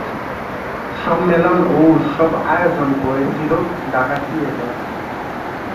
সম্মেলন ও উৎসব আয়োজন করেছিল ঢাকা থিয়েটার।